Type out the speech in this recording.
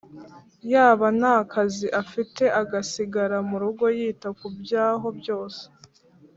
yaba nta kazi afite agasigara mu rugo yita ku byaho byose.